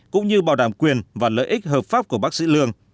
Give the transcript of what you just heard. cũng như bảo đảm quyền và lợi ích hợp pháp của bác sĩ lương